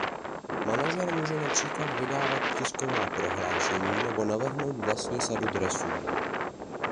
Manažer může například vydávat tisková prohlášení nebo navrhnout vlastní sadu dresů.